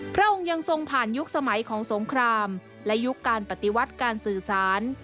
พระองค์ยังทรงผ่านยุคสมัยของสงครามและยุคการปฏิวัติการสื่อสาร